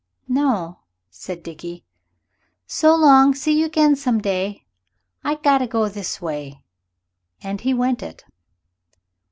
"No," said Dickie. "So long see you again some day. I got to go this way." And he went it.